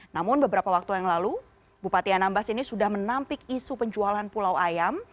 namun beberapa waktu yang lalu bupati anambas ini sudah menampik isu penjualan pulau ayam